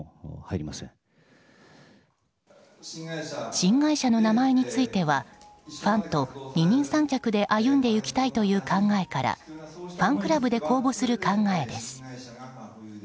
新会社の名前についてはファンと二人三脚で歩んでゆきたいという考えからファンクラブで公募する考えです。